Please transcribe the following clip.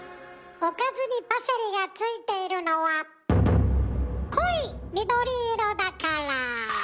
おかずにパセリがついているのは濃い緑色だから！